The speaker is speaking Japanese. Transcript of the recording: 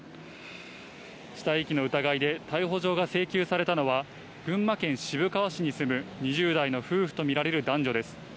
死体遺棄の疑いで逮捕状が請求されたのは、群馬県渋川市に住む２０代の夫婦とみられる男女です。